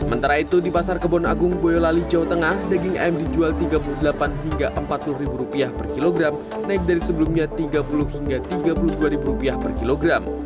sementara itu di pasar kebon agung boyolali jawa tengah daging ayam dijual rp tiga puluh delapan hingga rp empat puluh per kilogram naik dari sebelumnya rp tiga puluh hingga rp tiga puluh dua per kilogram